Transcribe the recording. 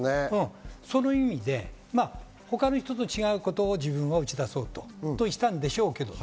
その意味で他の人と違うことを自分は打ち出そうとしたんでしょうけど。